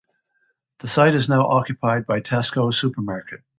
The site is now occupied by Tesco supermarket.